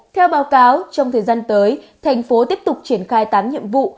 theo báo cáo trong thời gian tới thành phố tiếp tục triển khai tám nhiệm vụ